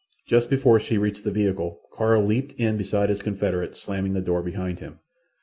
Just before she reached the vehicle, Carl leaped in beside his confederate, slamming the door behind him.